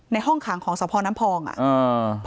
ในห้องขังของสพน้ำพองอ่ะ